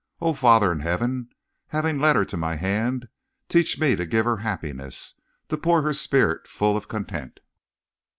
O Father in Heaven, having led her to my hand, teach me to give her happiness, to pour her spirit full of content."